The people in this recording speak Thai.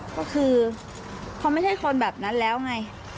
ก็คือพอไม่ใช่คนแบบนั้นแล้วไง